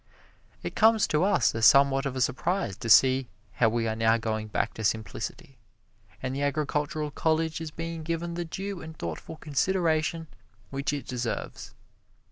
It comes to us as somewhat of a surprise to see how we are now going back to simplicity, and the agricultural college is being given the due and thoughtful consideration which it deserves.